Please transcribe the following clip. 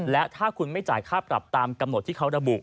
และถ้าคุณไม่จ่ายค่าปรับตามกำหนดที่เขาระบุ